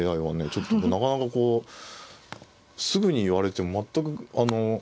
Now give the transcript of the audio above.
ちょっとなかなかこうすぐに言われても全くあの。